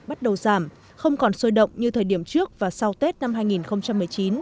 bắt đầu giảm không còn sôi động như thời điểm trước và sau tết năm hai nghìn một mươi chín